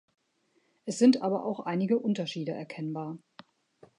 Es sind aber auch einige Unterschiede erkennbar.